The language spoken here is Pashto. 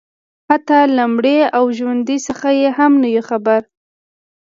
حتی له مړي او ژوندي څخه یې هم نه یو خبر